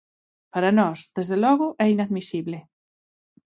Para nós, desde logo, é inadmisible.